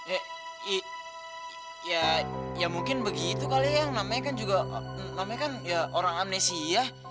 eh ya mungkin begitu kali ya yang namanya kan juga namanya kan ya orang amnesia